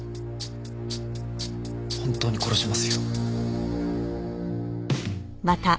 本当に殺しますよ。